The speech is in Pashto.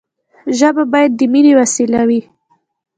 ژبه باید د ميني وسیله وي.